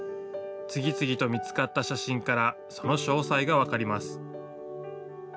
次々と見つかった写真からその詳細が分かります。